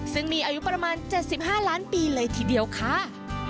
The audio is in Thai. ซึ่งมีอายุประมาณ๗๕ล้านปีเลยทีเดียวค่ะ